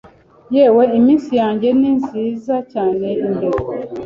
Yewe iminsi yanjye ni nziza cyane imbere